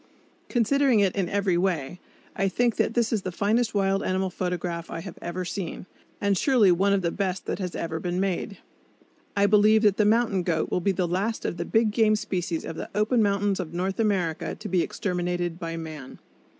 Considering it in every way, I think that this is the finest wild animal photograph I have ever seen, and surely one of the best that has ever been made. [Illustration: CARIBOU FAWNS In the New York Zoological Park] I believe that the mountain goat will be the last of the big game species of the open mountains of North America to be exterminated by man.